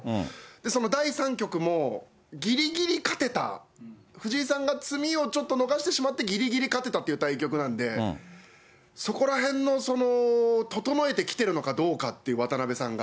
その第３局も、ぎりぎり勝てた、藤井さんが詰みをちょっと逃してしまって、ぎりぎり勝てたという対局なんで、そこらへんの整えてきてるのかどうかって、渡辺さんが。